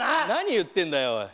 何言ってんだよ！